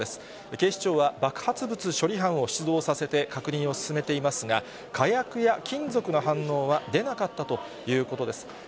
警視庁は爆発物処理班を出動させて確認を進めていますが、火薬や金属の反応は出なかったということです。